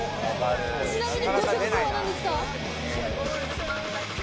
ちなみにご職業は何ですか？